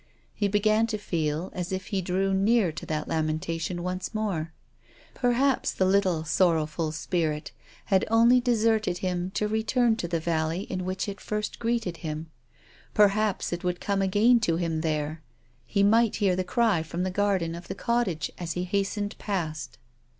He began to feel as if he drew near to that lamentation once more. Perhaps the little sorrowful spirit had only deserted him to return to the valley in which it first greeted him. Perhaps it would come again to him there. He might hear the cry from the garden of the cottage as he hastened past.